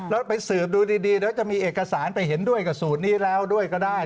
แล้วไปสืบดูดีเดี๋ยวจะมีเอกสารไปเห็นด้วยกับสูตรนี้แล้วด้วยก็ได้